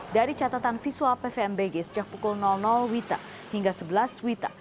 dari catatan visual pvmbg sejak pukul wita hingga sebelas wita